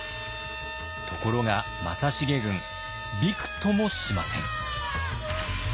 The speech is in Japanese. ところが正成軍びくともしません。